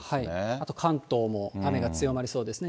あと関東も雨が強まりそうですね。